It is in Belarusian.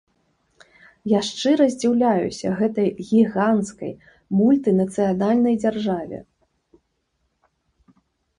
Я шчыра здзіўляюся гэтай гіганцкай мультынацыянальнай дзяржаве.